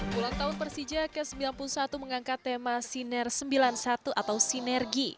ulang tahun persija ke sembilan puluh satu mengangkat tema siner sembilan puluh satu atau sinergi